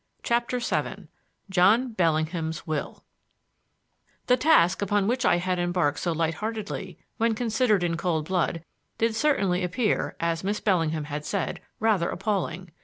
CHAPTER VII JOHN BELLINGHAM'S WILL The task upon which I had embarked so light heartedly, when considered in cold blood, did certainly appear, as Miss Bellingham had said, rather appalling.